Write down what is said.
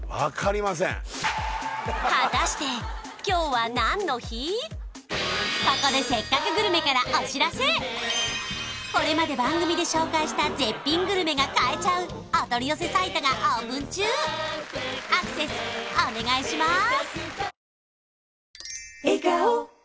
はいここで「せっかくグルメ！！」からお知らせこれまで番組で紹介した絶品グルメが買えちゃうお取り寄せサイトがオープン中アクセスお願いします！